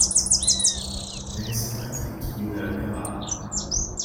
They select him to be their god.